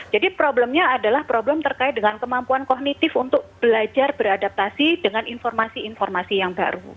jadi problemnya adalah problem terkait dengan kemampuan kognitif untuk belajar beradaptasi dengan informasi informasi yang baru